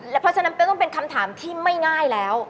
เพราะฉะนั้นเป็นคำถามที่ไม่ง่ายแล้ว